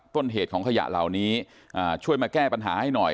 ต้นเหตุของขยะเหล่านี้ช่วยมาแก้ปัญหาให้หน่อย